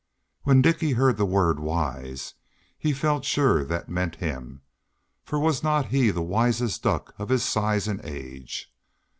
When Dicky heard the word "wise" he felt sure that meant him, for was not he the wisest duck of his size and age?